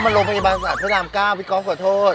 อ้อมันลงบริษัทพระราม๙พี่ก๊อฟขอโทษ